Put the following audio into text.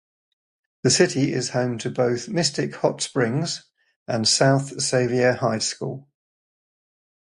The city is home to both Mystic Hot Springs and South Sevier High School.